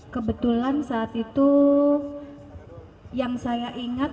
kebetulan saat itu yang saya ingat